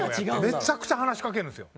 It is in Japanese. めちゃくちゃ話しかけるんですよ。